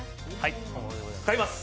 買います！